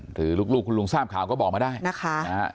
หรือลูกคุณลุงทราบข่าวก็บอกมาได้นะคะ